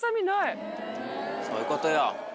そういうことよ。